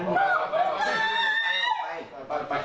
พวกตาย